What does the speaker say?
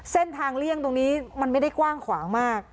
เส้นทางเลี่ยงตรงนี้มันไม่ได้กว้างขวางมาก